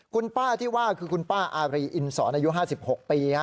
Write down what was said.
คุณป้าที่ว่าคือคุณป้าอารีอินสอนอายุ๕๖ปี